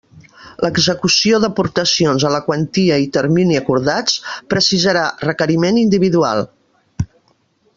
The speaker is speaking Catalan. L'execució d'aportacions en la quantia i termini acordats, precisarà requeriment individual.